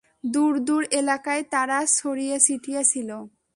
দূর দূর এলাকায় তারা ছড়িয়ে ছিটিয়ে ছিল।